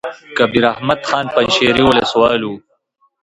کبیر احمد خان پنجشېري ولسوال وو.